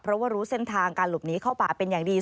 เพราะว่ารู้เส้นทางการหลบหนีเข้าป่าเป็นอย่างดี